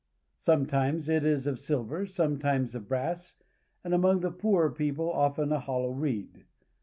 Sometimes it is of silver, sometimes of brass, and among the poorer people often a hollow reed.